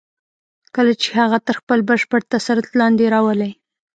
کله چې هغه تر خپل بشپړ تسلط لاندې راولئ.